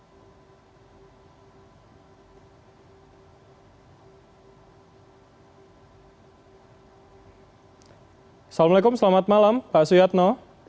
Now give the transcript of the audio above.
assalamualaikum selamat malam pak suyatno